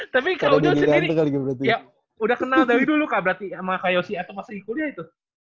tapi kalau udah sendiri ya udah kenal dari dulu kak berarti sama kak yosi atau masih kuliah itu